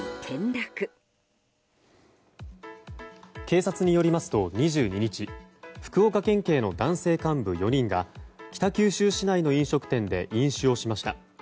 警察によりますと、２２日福岡県警の男性幹部４人が北九州市内の飲食店で飲酒をしました。